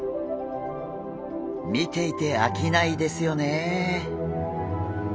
見ていてあきないですよねえ。